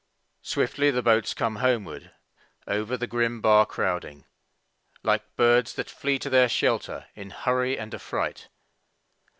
Swiftly the boats come homeward, over the grim bar crowding, Like birds that flee to their shelter in hurry and affright.